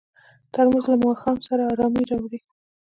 ترموز له ماښام سره ارامي راوړي.